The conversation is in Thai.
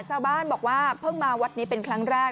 ชาวบ้านบอกว่าเพิ่งมาวัดนี้เป็นครั้งแรก